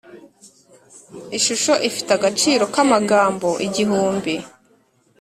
ishusho ifite agaciro kamagambo igihumbi